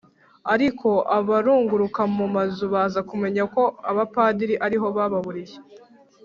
ariko abarungurukaga mu mazu baza kumenya ko abapadiri ari ho bababuriye